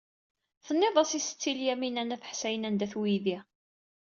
Tenniḍ-as i Setti Lyamina n At Ḥsayen anda-t weydi.